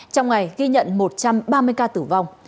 trong ngày ghi nhận một trăm ba mươi ca tử vong